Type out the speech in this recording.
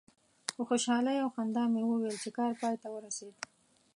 په خوشحالي او خندا مې وویل چې کار پای ته ورسید.